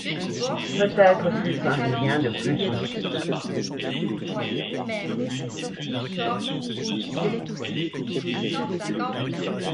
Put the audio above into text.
Peut-être fut-ce un lien de plus entre eux